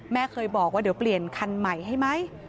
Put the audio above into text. แม่เคยบอกว่าเดี๋ยวเปลี่ยนคันใหม่ให้ไหม